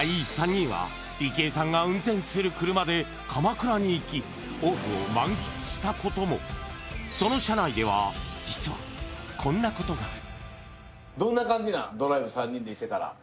３人は池江さんが運転する車で鎌倉に行きオフを満喫したこともこんなことがああ